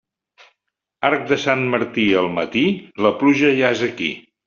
Arc de Sant Martí al matí, la pluja ja és aquí.